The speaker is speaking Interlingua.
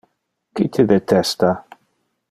Qui te detesta?